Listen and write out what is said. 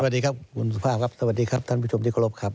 สวัสดีครับคุณสุภาพครับสวัสดีครับท่านผู้ชมที่เคารพครับ